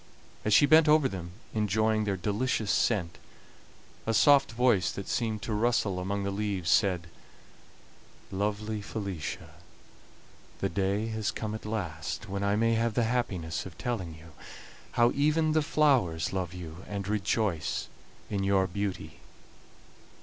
As she bent over them, enjoying their delicious scent, a soft voice, that seemed to rustle among the leaves, said: "Lovely Felicia, the day has come at last when I may have the happiness of telling you how even the flowers love you and rejoice in your beauty."